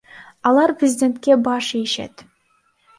Алар президентке баш ийишет.